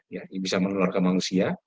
ini bisa menelur ke manusia